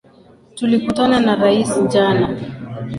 Tulikutana na rais jana